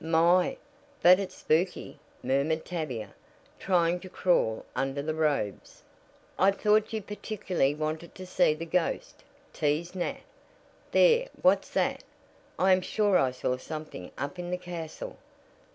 "My, but it's spooky!" murmured Tavia, trying to crawl under the robes. "I thought you particularly wanted to see the ghost?" teased Nat. "There, what's that? I am sure I saw something up in the castle.